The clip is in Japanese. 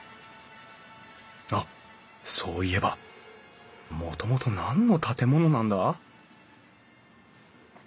あっそういえばもともと何の建物なんだ？